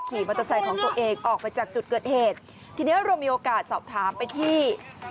มอเตอร์ไซค์ของตัวเองออกไปจากจุดเกิดเหตุทีนี้เรามีโอกาสสอบถามไปที่